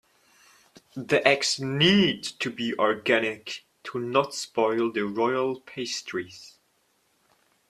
The eggs need to be organic to not spoil the royal pastries.